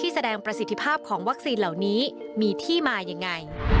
แสดงประสิทธิภาพของวัคซีนเหล่านี้มีที่มายังไง